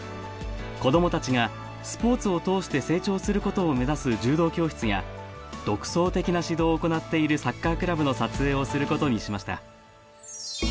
子どもたちがスポーツを通して成長することを目指す柔道教室や独創的な指導を行っているサッカークラブの撮影をすることにしました